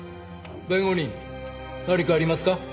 弁護人何かありますか？